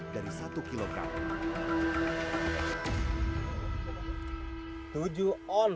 jadi kalau kita lihat di lokal